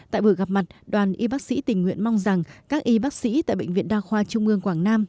tại buổi gặp mặt đoàn y bác sĩ tình nguyện mong rằng các y bác sĩ tại bệnh viện đa khoa trung ương quảng nam